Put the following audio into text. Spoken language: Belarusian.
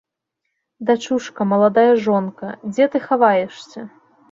Дачушка, маладая жонка, дзе ты хаваешся?